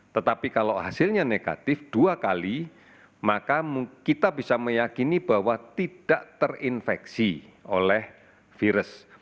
tetapi kalau hasilnya negatif dua kali maka kita bisa meyakini bahwa tidak terinfeksi oleh virus